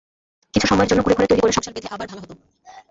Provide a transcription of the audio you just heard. কিছু সময়ের জন্য কুঁড়েঘর তৈরি করে সংসার বেঁধে আবার ভাঙা হতো।